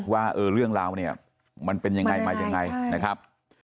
ว่าเรื่องราวเนี่ยมันเป็นยังไงมายังไงนะครับ